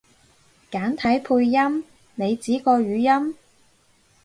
簡體配音？你指個語音？